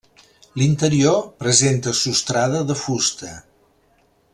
L'interior presenta sostrada de fusta.